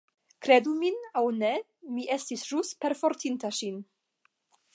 Kredu min aŭ ne, mi estis ĵus perfortinta ŝin.